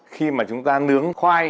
khi mà chúng ta nướng khoai